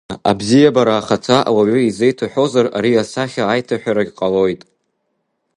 Абзиабара ахаҭа ауаҩы изеиҭа-ҳәозар, ари асахьа аиҭаҳәарагь ҟалоит.